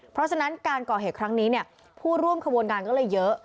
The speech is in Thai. เพราะฉะนั้นการก่อเหตุครั้งนี้ผู้ร่วมขบวนการก็เลยเยอะ